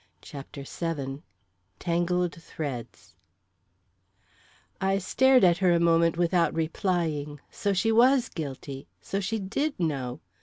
CHAPTER VII Tangled Threads I stared at her a moment without replying so she was guilty! So she did know!